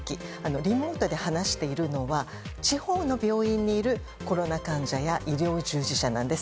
リモートで話しているのは地方の病院にいるコロナ患者や医療従事者なんです。